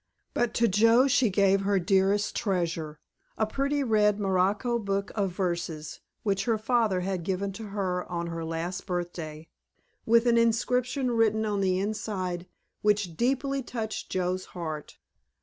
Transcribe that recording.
But to Joe she gave her dearest treasure, a pretty red morocco book of verses, which her father had given to her on her last birthday, with an inscription written on the inside which deeply touched Joe's heart.